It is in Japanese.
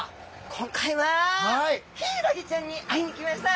今回はヒイラギちゃんに会いに来ました。